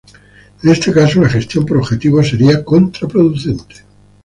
En este caso, la gestión por objetivos sería contraproducente.